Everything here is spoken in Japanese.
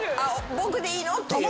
僕でいいの？っていう。